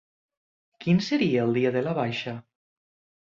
Quin seria el dia de la baixa?